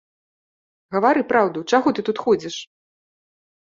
Гавары праўду, чаго ты тут ходзіш?